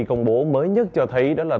công bố mới nhất cho thấy đó là